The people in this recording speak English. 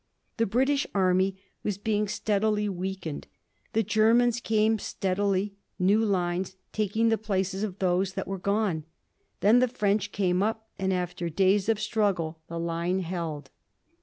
The British Army was being steadily weakened. The Germans came steadily, new lines taking the place of those that were gone. Then the French came up, and, after days of struggle, the line held.